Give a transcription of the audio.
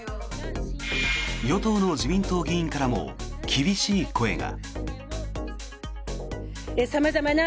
与党の自民党議員からも厳しい声が。